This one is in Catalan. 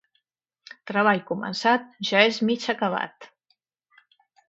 Treball començat ja és mig acabat.